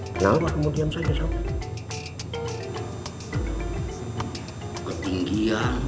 setan duduk di atas kebenarkan